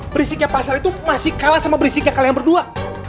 berisiknya pasar itu masih kalah sama berisiknya kalian berdua